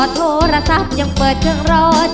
โทรศัพท์ยังเปิดเครื่องร้อน